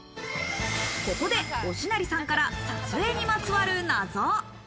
ここで忍成さんから撮影にまつわる謎。